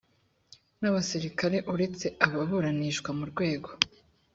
n abasirikare uretse ababuranishwa mu rwego